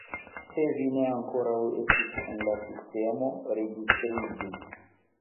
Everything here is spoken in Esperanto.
Se vi ne ankoraŭ estis en la sistemo, registriĝu.